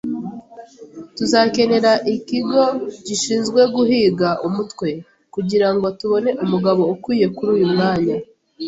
Tuzakenera ikigo gishinzwe guhiga umutwe kugirango tubone umugabo ukwiye kuri uyu mwanya.